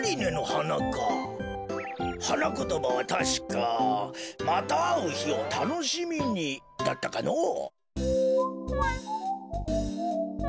はなことばはたしか「またあうひをたのしみに」だったかのぉ。